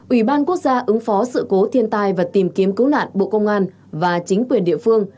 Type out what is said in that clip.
ủy ban quốc gia ứng phó sự cố thiên tai và tìm kiếm cứu nạn bộ công an và chính quyền địa phương